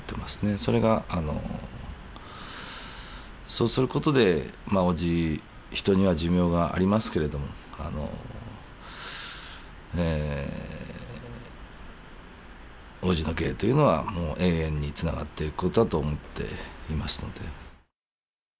それがそうすることでまあ叔父人には寿命がありますけれどもあのええ叔父の芸というのはもう永遠につながっていくことだと思っていますので。